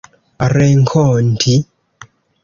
renkonti